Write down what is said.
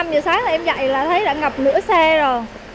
năm giờ sáng em dậy là thấy đã ngập nửa xe rồi